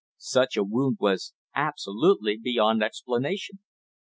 Such a wound was absolutely beyond explanation.